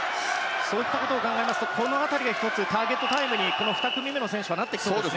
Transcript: そう考えますとこの辺りが、ターゲットタイムにこの２組目の選手はなってきそうですね。